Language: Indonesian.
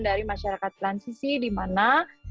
dari masyarakat transisi di mana